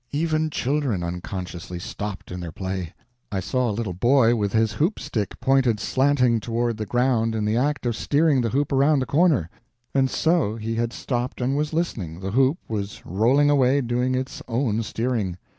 Even children unconsciously stopped in their play; I saw a little boy with his hoop stick pointed slanting toward the ground in the act of steering the hoop around the corner; and so he had stopped and was listening—the hoop was rolling away, doing its own steering.